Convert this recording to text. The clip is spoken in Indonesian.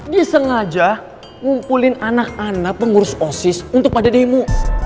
disengaja ngumpulin anak anak pengurus osis untuk pada demo